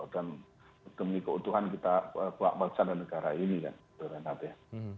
dan demi keutuhan kita bangsa dan negara ini ya renhardt ya